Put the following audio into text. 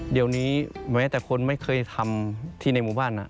เดี๋ยวนี้แม้แต่คนไม่เคยทำที่ในหมู่บ้าน